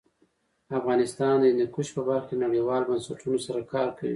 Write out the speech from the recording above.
افغانستان د هندوکش په برخه کې نړیوالو بنسټونو سره کار کوي.